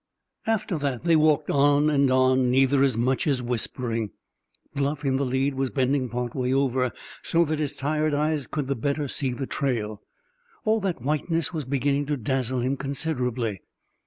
After that they walked on and on, neither as much as whispering. Bluff, in the lead, was bending part way over, so that his tired eyes could the better see the trail. All that whiteness was beginning to dazzle him considerably.